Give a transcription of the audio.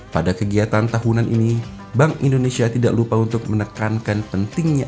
pada kegiatan tahunan ini bank indonesia tidak lupa untuk menekankan pentingnya